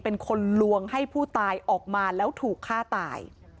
เป็นคนลวงให้ผู้ตายออกมาแล้วถูกฆ่าตาย